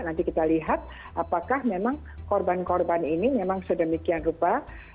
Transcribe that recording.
nanti kita lihat apakah memang korban korban ini memang sedemikian rupa